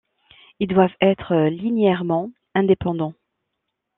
Ils doivent être linéairement indépendants.